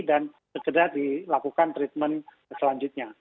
dan segera dilakukan treatment selanjutnya